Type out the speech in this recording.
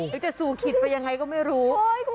เดี๋ยวสูขิดไปยังไงก็ไม่รู้